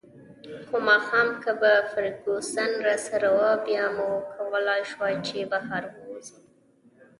خو ماښام که به فرګوسن راسره وه، بیا مو کولای شوای چې بهر ووځو.